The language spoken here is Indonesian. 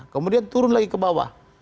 kemudian turun lagi ke bawah